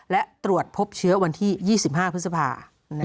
และตรวจพบเชื้อวันที่๒๕พฤษภา